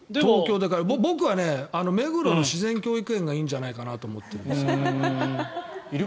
僕は目黒の自然教育園がいいんじゃないかなと思ってるんですけど。